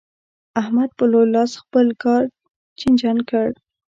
احمد په لوی لاس خپل کار چينجن کړ.